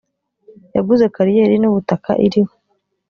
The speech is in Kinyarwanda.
yaguze kariyeri n’ ubutaka iriho